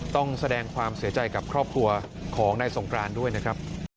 ต้องแสดงความเสียใจกับครอบครัวของนายสงกรานด้วยนะครับ